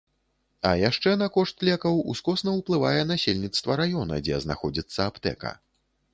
А яшчэ на кошт лекаў ускосна ўплывае насельніцтва раёна, дзе знаходзіцца аптэка.